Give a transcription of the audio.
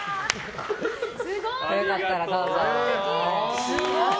良かったらどうぞ。